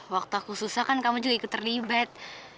waktu aku susah kan kamu juga ikut terlibat